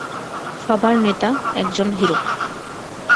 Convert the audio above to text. সবার নেতা, একজন হিরো।